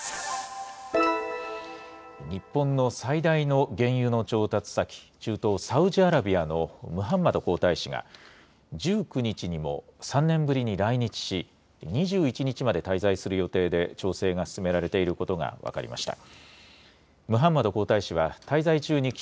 日本の最大の原油の調達先、中東サウジアラビアのムハンマド皇太子が、１９日にも３年ぶりに来日し、２１日まで滞在する予定で調整が進められていることが分かりました。